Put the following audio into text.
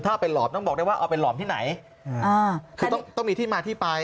ถ้าไปหลอมต้องบอกได้ว่าเอาไปหลอมที่ไหนคือต้องต้องมีที่มาที่ไป